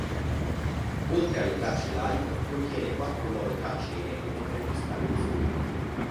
Oltre alle tracce live, contiene quattro nuove tracce inedite registrate in studio.